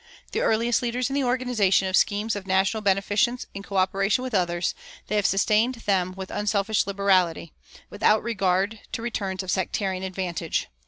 The earliest leaders in the organization of schemes of national beneficence in coöperation with others, they have sustained them with unselfish liberality, without regard to returns of sectarian advantage.